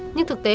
nhưng thực tế